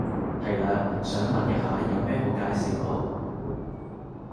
係嘞，想問一下有咩好介紹冇？